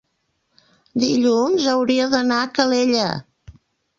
dilluns hauria d'anar a Calella.